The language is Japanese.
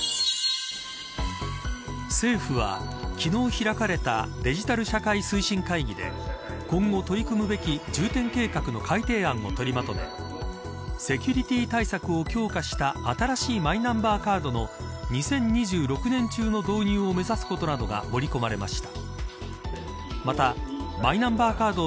政府は、昨日開かれたデジタル社会推進会議で今後取り組むべき重点計画の改定案を取りまとめセキュリティ対策を強化した新しいマイナンバーカードの２０２６年中の導入を目指すことなどが盛り込まれました。